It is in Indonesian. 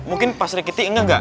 mungkin pak sri kitty engga ga